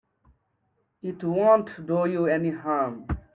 It won't do you any harm.